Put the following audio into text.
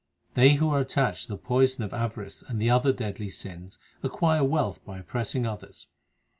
They who are attached to the poison of avarice and the other deadly sins acquire wealth by oppressing others.